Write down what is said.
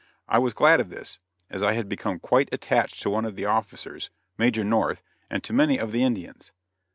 I was glad of this, as I had become quite attached to one of the officers, Major North, and to many of the Indians.